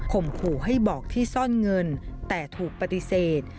ขู่ให้บอกที่ซ่อนเงินแต่ถูกปฏิเสธ